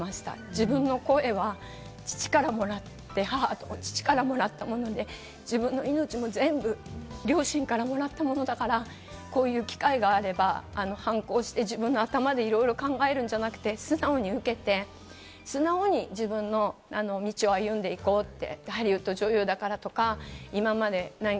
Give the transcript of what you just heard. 自分の声は父からもらって、母と父からもらったもので、自分の命も全部、両親からもらったものだから、こういう機会があれば反抗をして、自分の頭でいろいろ考えるんじゃなくて、素直に受けて素直に自分の道を歩んでいこうと。